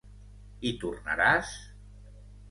Hi tornaràs?